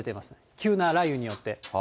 急な雷雨によって。